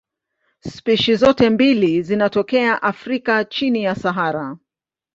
Spishi zote mbili zinatokea Afrika chini ya Sahara.